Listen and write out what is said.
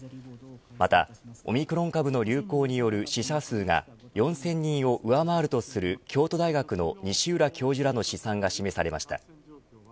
また、オミクロン株の流行による死者数が４０００人を上回るとする京都大学の西浦教授らの試算が示されました。